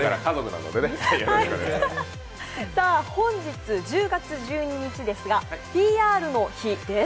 本日、１０月１２日ですがＰＲの日です。